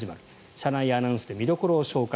車内アナウンスで見どころを紹介